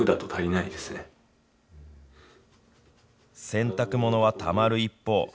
洗濯物はたまる一方。